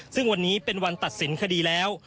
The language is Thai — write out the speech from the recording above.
ซึ่งวันนี้เป็นวันตัดสินคดีแล้ว